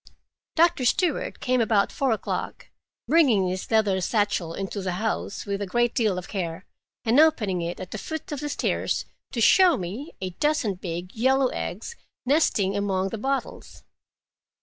Doctor Stewart came about four o'clock, bringing his leather satchel into the house with a great deal of care, and opening it at the foot of the stairs to show me a dozen big yellow eggs nesting among the bottles.